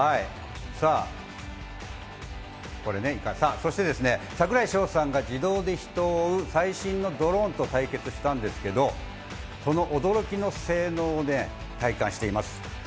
そして櫻井翔さんが自動で人を追う最新のドローンと対決したんですけど、その驚きの性能を体感しています。